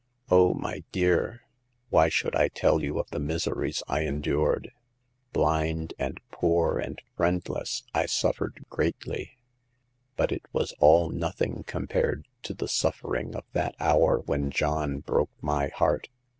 Oh, my dear, why should I tell you of the miseries I endured ! Blind and poor and friendless, I suffered greatly; but it was all nothing compared to the suffering of that hour when John broke my heart.